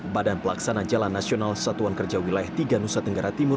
badan pelaksana jalan nasional satuan kerja wilayah tiga nusa tenggara timur